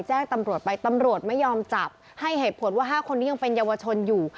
แจ้งตำรวจไปตำรวจไม่ยอมจับให้เหตุผลว่า๕คนนี้ยังเป็นเยาวชนอยู่